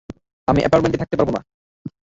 আমি অ্যাপার্টমেন্টে থাকতে পারবো না।